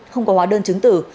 không có hóa đơn chứng tử